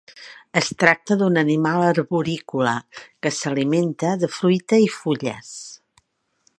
Es tracta d'un animal arborícola que s'alimenta de fruita i fulles.